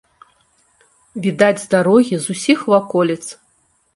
Відаць з дарогі, з усіх ваколіц.